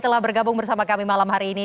telah bergabung bersama kami malam hari ini